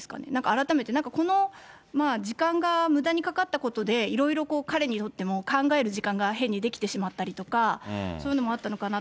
改めて、この時間がむだにかかったことで、いろいろ彼にとっても考える時間が変に出来てしまったりとか、そういうのもあったのかな。